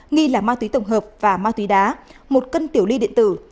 nghi là ma túy tổng hợp và ma túy đá một cân tiểu ly điện tử